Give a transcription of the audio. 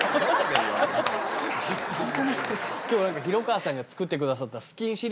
今日は廣川さんが作ってくださった。